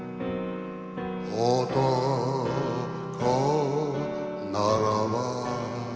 「男ならば」